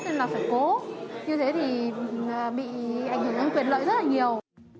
nên là phải cố như thế thì bị ảnh hưởng đến quyền lợi rất là nhiều